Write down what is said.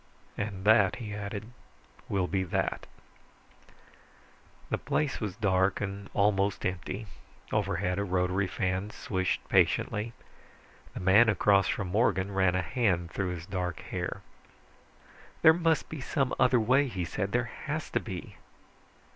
"And that," he added, "will be that." The place was dark and almost empty. Overhead, a rotary fan swished patiently. The man across from Morgan ran a hand through his dark hair. "There must be some other way," he said. "There has to be."